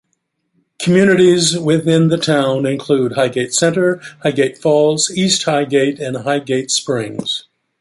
Communities within the town include Highgate Center, Highgate Falls, East Highgate, and Highgate Springs.